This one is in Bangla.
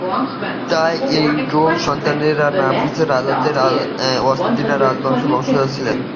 তাই, টোডার সন্তানরাও নাভারেসের রাজাদের আরিস্তা রাজবংশের বংশধর ছিল।